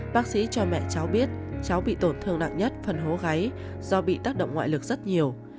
bác sĩ cho mẹ cháu biết cháu bị tổn thương nặng nhất phần hố gáy do bị tác động ngoại lực rất nhiều